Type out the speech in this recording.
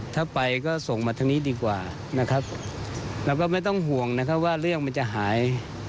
ถ้าไปก็ส่งมาทางนี้ดีกว่านะครับแล้วก็ไม่ต้องห่วงนะครับว่าเรื่องมันจะหาย